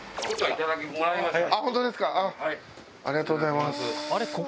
ありがとうございます。